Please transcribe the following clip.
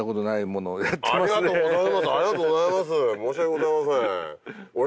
申し訳ございません。